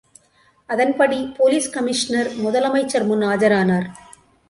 அதன்படிபோலீஸ் commissioner முதலமைச்சர் முன் ஆஜரானார்.